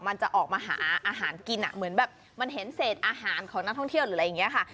มันจะออกมาหาอาหารกินเหมือนแบบมันเห็นเศษอาหารของนักท่องเที่ยวหรืออะไรอย่างนี้ค่ะ